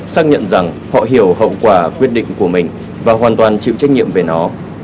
xác nhận rằng họ hiểu hậu quả quyết định của mình và hoàn toàn chịu trách nhiệm về nó